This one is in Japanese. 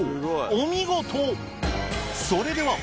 お見事！